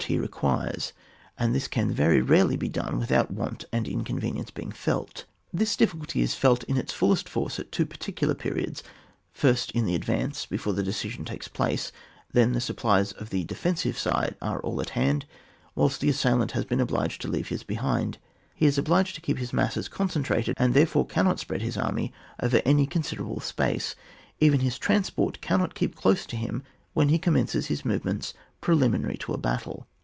he requires, and this can veiy rarely be done without want and inconvenience being felt This difficulty is felt in its fullest force at two particular periods, first in the advance, before the decision takes place ; then the supplies of the defensive side are all at hand, whilst the assailant has been obliged to leave his behind; he is obliged to keep his masses con* centrated, and therefore cannot spread his army over any considerable space ; even his transport cannot keep close to him when he commences his movements preliminary to a battle.